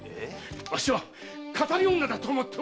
わしは「騙り女」だと思っておる！